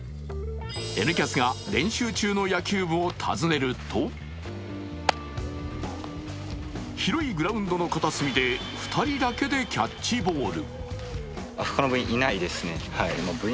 「Ｎキャス」が練習中の野球部を訪ねると広いグラウンドの片隅で２人だけでキャッチボール。